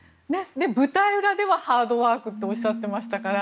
舞台裏ではハードワークとおっしゃっていましたから。